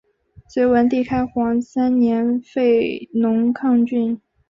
隋文帝开皇三年废龙亢郡。